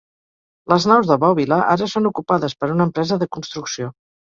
Les naus de bòbila ara són ocupades per una empresa de construcció.